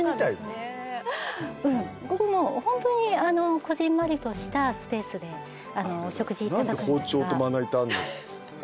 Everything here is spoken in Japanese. ここもホントにこぢんまりとしたスペースでお食事いただくんですが。